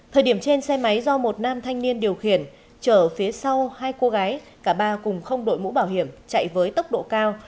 thời điểm trên xe máy do một nam thanh niên điều khiển chở phía sau hai cô gái cả ba cùng không đội mũ bảo hiểm chạy với tốc độ cao